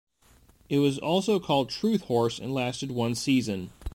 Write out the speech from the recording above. It was also called "Truthhorse" and lasted one season.